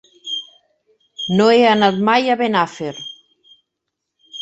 No he anat mai a Benafer.